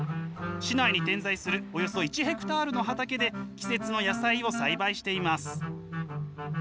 市内に点在するおよそ１ヘクタールの畑で季節の野菜を栽培しています。